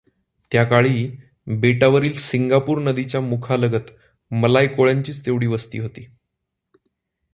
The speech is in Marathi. त्याकाळी बेटावरील सिंगापूर नदीच्या मुखालगत मलाय कोळ्यांचीच तेवढी वस्ती होती.